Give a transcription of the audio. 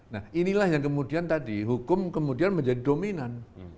nah inilah yang kemudian tadi hukum kemudian menjadi dominan